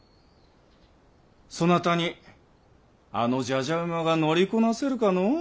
そなたにあのじゃじゃ馬が乗りこなせるかのう。